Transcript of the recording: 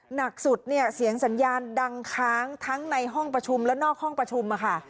หนักสุดเนี่ยเสียงสัญญาณดังค้างทั้งในห้องประชุมและนอกห้องประชุมค่ะ